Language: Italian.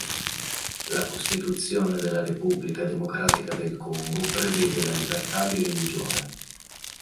La costituzione della Repubblica Democratica del Congo prevede la libertà di religione.